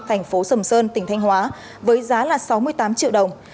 tp sầm sơn tp thanh hóa với giá sáu mươi tám triệu đồng